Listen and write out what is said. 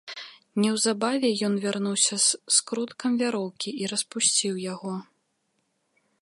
Неўзабаве ён вярнуўся з скруткам вяроўкі і распусціў яго.